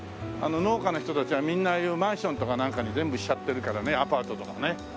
農家の人たちはみんなああいうマンションとかなんかに全部しちゃってるからねアパートとかね。